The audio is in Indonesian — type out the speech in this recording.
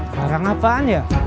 barang apaan ya